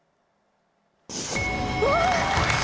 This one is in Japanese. うわ！